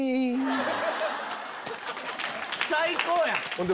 最高やん！